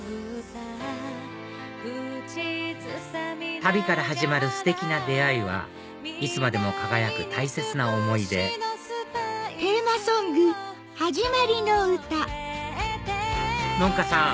旅から始まるステキな出会いはいつまでも輝く大切な思い出ｎｏｎｋａさん